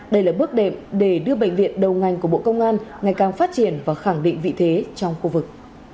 đây là bước đệm để đưa bệnh viện đầu ngành của bộ công an ngày càng phát triển và khẳng định vị thế trong khu vực